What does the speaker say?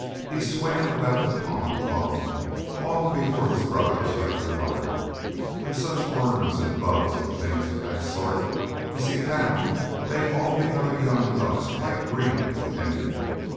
He swam about the pond alone long before his brothers left their mother, and such worms and bugs and things of that sort as he found made all the other young ducks quite green with envy.